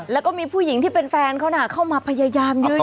แล้วก็มีผู้หญิงที่เป็นแฟนเขาเข้ามาพยายามยืน